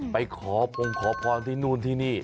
ไปขอพงขอพรที่นู่นที่นี่